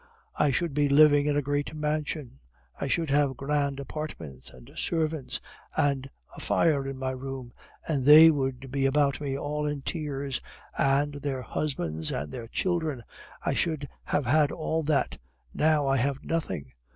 I should be living in a great mansion; I should have grand apartments and servants and a fire in my room; and they would be about me all in tears, and their husbands and their children. I should have had all that; now I have nothing.